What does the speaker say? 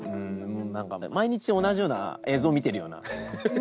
なんか毎日同じような映像見てるような。